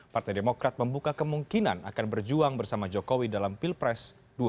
partai demokrat membuka kemungkinan akan berjuang bersama jokowi dalam pilpres dua ribu sembilan belas